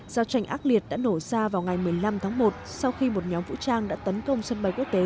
giao tranh ác liệt đã nổ ra vào ngày một mươi năm tháng một sau khi một nhóm vũ trang đã tấn công sân bay quốc tế